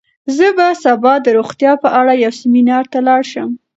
زه به سبا د روغتیا په اړه یو سیمینار ته لاړ شم.